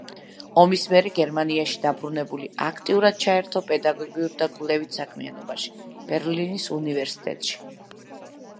ომის მერე გერმანიაში დაბრუნებული, აქტიურად ჩაერთო პედაგოგიურ და კვლევით საქმიანობაში, ბერლინის უნივერსიტეტში.